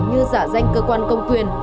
như giả danh cơ quan công quyền